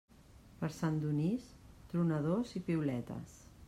Per Sant Donís, tronadors i piuletes.